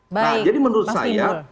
nah jadi menurut saya